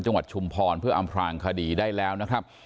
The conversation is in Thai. ชุมพรเพื่ออำพลางคดีได้แล้วนะครับ